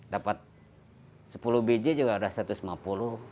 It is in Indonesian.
dapat sepuluh biji juga udah satu ratus lima puluh